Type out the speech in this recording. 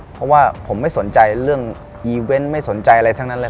เพราะว่าผมไม่สนใจเรื่องอีเวนต์ไม่สนใจอะไรทั้งนั้นเลย